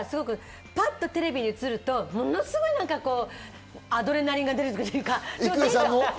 パッとテレビに映ると、ものすごいアドレナリンが出るというか。